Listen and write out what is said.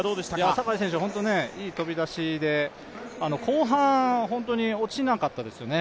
坂井選手、本当にいい飛び出しで後半落ちなかったですよね。